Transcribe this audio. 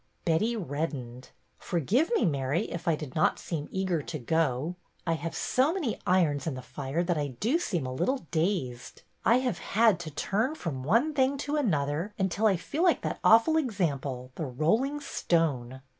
" Betty reddened. '' Forgive me, Mary, if I did not seem eager to go. I have so many irons in the fire that I do feel a little dazed. I have had to turn from one thing to another until I feel like that awful Example, the Rolling Stone.